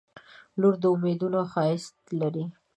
• لور د امیدونو ښایست لري.